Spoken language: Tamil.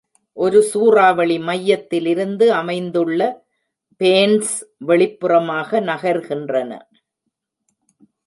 ஒரு சூறாவளி மையத்திலிருந்து அமைந்துள்ள பேண்ட்ஸ் வெளிப்புறமாக நகர்கின்றன.